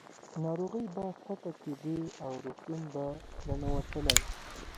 ناروغۍ به ښکته کېدې او روغتون ته به ننوتلې.